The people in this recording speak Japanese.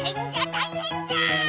たいへんじゃ！